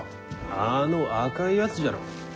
あの赤いやつじゃろ。